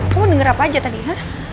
kamu denger apa aja tadi ha